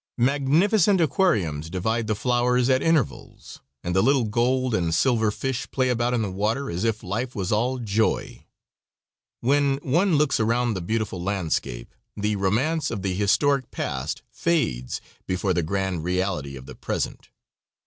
Magnificent aquariums divide the flowers at intervals, and the little gold and silver fish play about in the water as if life was all joy. When one looks around the beautiful landscape, the romance of the historic past fades before the grand reality of the present.